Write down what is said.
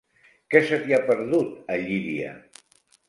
Què se t'hi ha perdut, a Llíria?